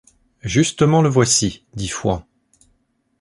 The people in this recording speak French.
Justement, le voici ! dit Fouan.